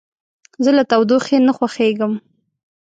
زه له تودوخې نه خوښیږم.